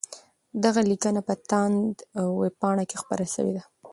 دغه لیکنه په تاند ویبپاڼه کي خپره سوې ده.